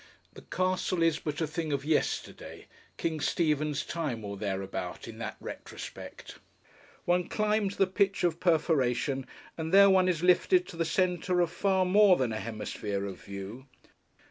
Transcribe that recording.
The castle is but a thing of yesterday, King Stephen's time or thereabout, in that retrospect. One climbs the pitch of perforation, and there one is lifted to the centre of far more than a hemisphere of view.